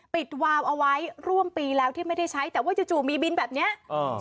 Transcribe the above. ปิดวาวเอาไว้ร่วมปีแล้วที่ไม่ได้ใช้แต่ว่าจู่จู่มีบินแบบเนี้ยเออ